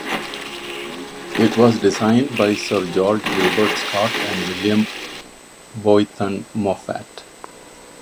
It was designed by Sir George Gilbert Scott and William Bonython Moffatt.